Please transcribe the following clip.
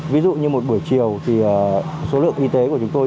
ví dụ như một buổi chiều thì số lượng y tế của chúng tôi